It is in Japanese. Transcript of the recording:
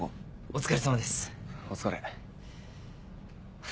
お疲れ。